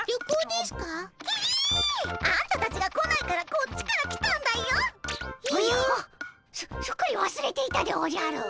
すすっかりわすれていたでおじゃる。